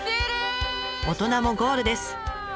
大人もゴールです。